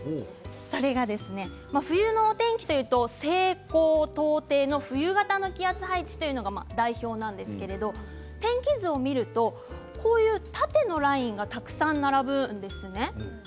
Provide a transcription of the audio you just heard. それが冬のお天気というと西高東低の冬型の気圧配置というのが代表なんですけれど天気図を見ると縦のラインがたくさん並ぶんですね。